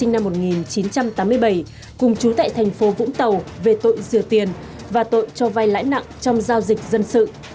nguyễn võ quỳnh trang về tội dừa tiền và tội cho vay lãi nặng trong giao dịch dân sự